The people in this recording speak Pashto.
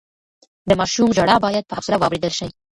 د ماشوم ژړا بايد په حوصله واورېدل شي.